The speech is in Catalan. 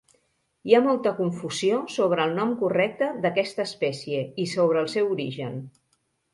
Hi ha molta confusió sobre el nom correcte d'aquesta espècie i sobre el seu origen.